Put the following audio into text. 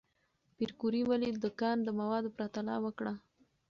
پېیر کوري ولې د کان د موادو پرتله وکړه؟